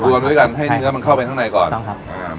รวมด้วยกันให้เนื้อมันเข้าไปข้างในก่อน